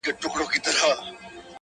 • چي زمري د غوايي ولیدل ښکرونه -